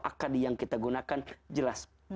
akad yang kita gunakan jelas